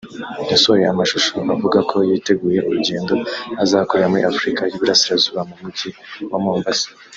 yasohoye amashusho avuga ko ‘yiteguye urugendo azakorera muri Afurika y’Uburasirazuba mu Mujyi wa Mombasa’